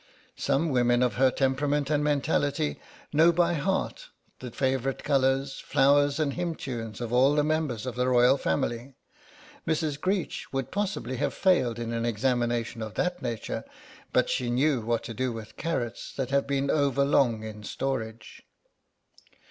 Some women of her temperament and mentality know by heart the favourite colours, flowers and hymn tunes of all the members of the Royal Family; Mrs. Greech would possibly have failed in an examination of that nature, but she knew what to do with carrots that have been over long in storage.